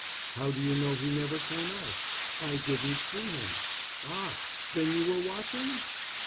"How do you know he never came out?" "I didn't see him." "Ah! then you were watching?"